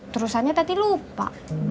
terusannya tati lupa